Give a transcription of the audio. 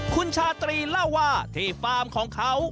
คุณชาตรีเล่าว่าที่ฟาร์มของเขา